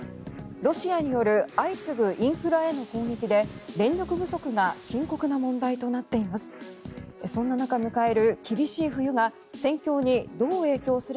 ロシアによる相次ぐインフラへの攻撃で電力不足が深刻な問題となっています。